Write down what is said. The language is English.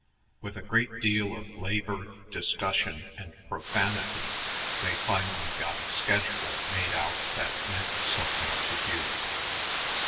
With a great deal of labor, discussion, and profanity they finally got a schedule made out that meant something to Hugh.